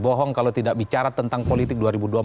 bohong kalau tidak bicara tentang politik dua ribu dua puluh empat